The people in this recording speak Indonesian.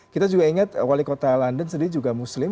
kita juga ingat wali kota london sendiri juga muslim